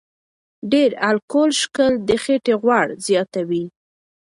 ډېر الکول څښل د خېټې غوړ زیاتوي.